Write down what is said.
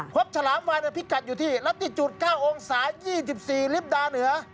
ฉลามวานพิกัดอยู่ที่รัฐติจุด๙องศา๒๔ลิตรดาเหนือ